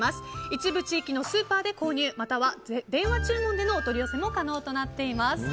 一部地域のスーパーで購入または電話注文でのお取り寄せも可能となっています。